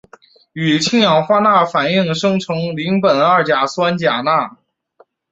与氢氧化钠反应生成邻苯二甲酸钾钠。